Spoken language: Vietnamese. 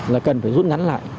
là cần phải rút ngắn lại